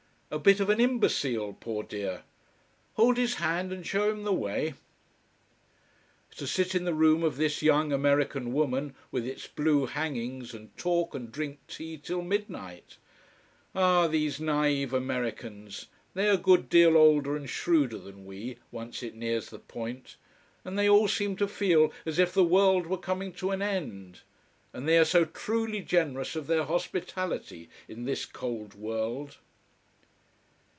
A bit of an imbecile, poor dear. Hold his hand and show him the way. To sit in the room of this young American woman, with its blue hangings, and talk and drink tea till midnght! Ah these naïve Americans they are a good deal older and shrewder than we, once it nears the point. And they all seem to feel as if the world were coming to an end. And they are so truly generous of their hospitality, in this cold world.